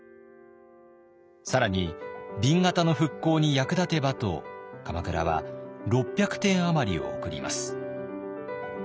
更に紅型の復興に役立てばと鎌倉は６００点余りをおくります。